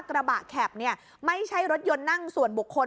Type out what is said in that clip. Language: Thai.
กระบะแข็บไม่ใช่รถยนต์นั่งส่วนบุคคล